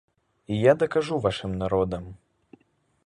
І я дакажу вашым народам!